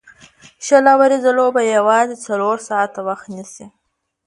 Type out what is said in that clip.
شل اووريزه لوبه یوازي څلور ساعته وخت نیسي.